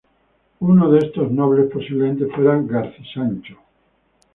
Uno de estos nobles posiblemente fuera Garcí-Sancho.